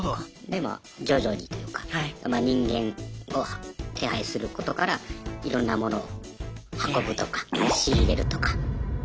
でまあ徐々にというか人間を手配することからいろんなモノを運ぶとか仕入れるとか。